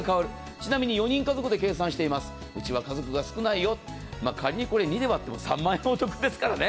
ちなみに６人家族で計算しています、うちは家族が少ないよ、仮にこれを２で割っても３万円お得ですからね。